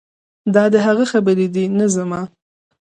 دا د هغه خبرې دي نه زما.